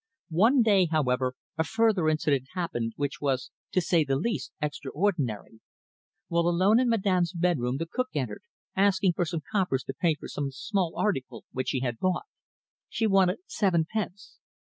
One day, however, a further incident happened, which was, to say the least, extraordinary. While alone in Madame's bedroom the cook entered, asking for some coppers to pay for some small article which had been brought. She wanted sevenpence.